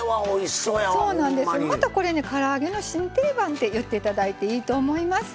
またこれねから揚げの新定番って言っていただいていいと思います。